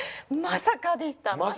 まさかでしょう？